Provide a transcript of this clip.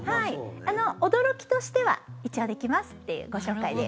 驚きとしては一応できますというご紹介です。